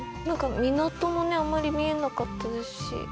何か港もねあんまり見えなかったですし。